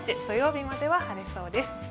土曜日までは晴れそうです。